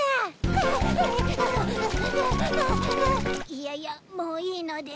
いやいやもういいので。